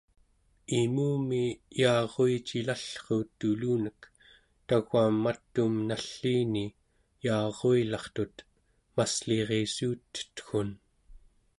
imumi yaaruicilallruut tulunek tau͡gaam mat'um nalliini yaaruilartut mass'lirissuutetgun